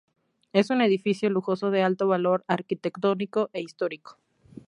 Es un edificio lujoso de alto valor arquitectónico e histórico.